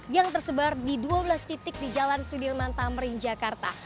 yang tersebar di dua belas titik di jalan sudirman tamrin jakarta